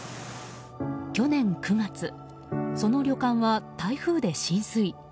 去年９月、その旅館は台風で浸水。